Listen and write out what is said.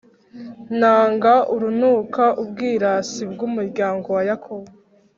Nanga urunuka ubwirasi bw’umuryango wa Yakobo,